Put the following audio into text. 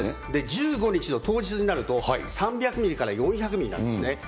１５日の当日になると３００ミリから４００ミリなんですね。